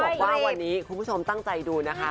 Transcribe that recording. บอกว่าวันนี้คุณผู้ชมตั้งใจดูนะคะ